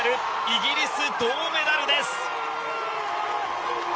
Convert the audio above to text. イギリス、銅メダルです。